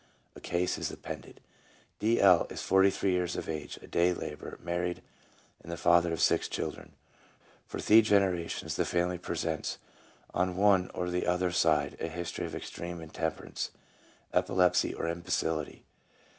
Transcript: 1 A case is appended. D. L. is forty three years of age, a day labourer, married, and the father of six children. For three generations the family presents on one or the other side a history of extreme intemperance, epilepsy, or imbecility.